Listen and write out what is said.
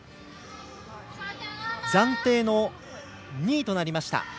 暫定の２位となりました畠田。